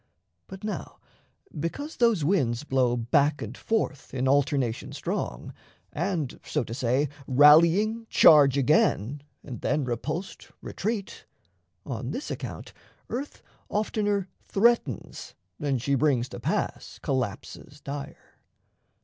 But now because those winds Blow back and forth in alternation strong, And, so to say, rallying charge again, And then repulsed retreat, on this account Earth oftener threatens than she brings to pass Collapses dire.